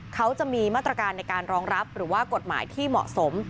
เขาจะมีมาตรการในการรองรับหรือว่ากฎหมายที่เหมาะสม